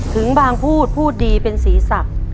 ถึงบางพูดพูดดีเป็นศีรษะ